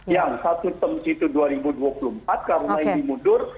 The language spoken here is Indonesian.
yang satu terms itu dua ribu dua puluh empat karena ini mundur